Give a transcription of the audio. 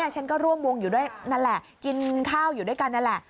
ฉันก็ร่วมวงอยู่ด้วยนั่นแหละกินข้าวอยู่ด้วยกันนั่นแหละ